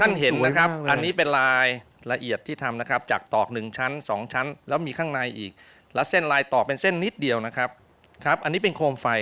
อันนี้มีขายในบ้านเราไหมฮะ